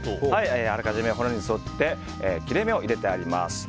あらかじめ骨に沿って切れ目を入れてあります。